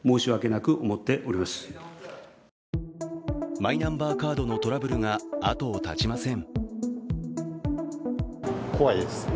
マイナンバーカードのトラブルが後を絶ちません。